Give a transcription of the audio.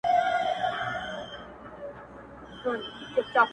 له هوا یوه کومول کښته کتله٫